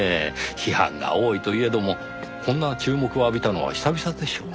批判が多いといえどもこんな注目を浴びたのは久々でしょう？